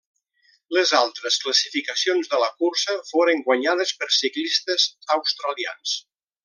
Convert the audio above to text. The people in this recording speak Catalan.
Les altres classificacions de la cursa foren guanyades per ciclistes australians.